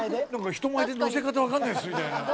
人前で乗せ方分かんないですみたいな。